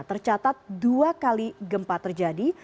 tercatat dua kali gempa terjadi